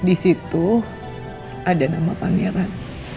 di situ ada nama pangeran